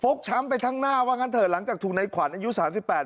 ช้ำไปทั้งหน้าว่างั้นเถอะหลังจากถูกในขวัญอายุสามสิบแปด